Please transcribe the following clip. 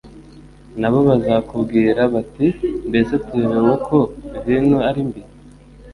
na bo bazakubwira bati mbese tuyobewe ko vino arimbi